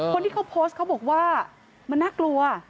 คนที่เขาโพสต์เขาบอกว่ามันน่ากลัว